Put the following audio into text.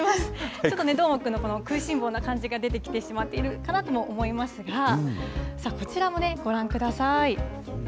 ちょっとね、どーもくんの食いしん坊な感じが出てきてしまっているかなとも思いますが、さあ、こちらもご覧ください。